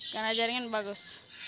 kalau di rumah di rumah tidak banyak